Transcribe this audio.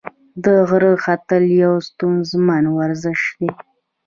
د غره ختل یو ستونزمن ورزش دی.